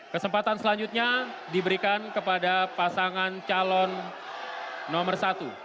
kesempatan selanjutnya diberikan kepada pasangan calon nomor satu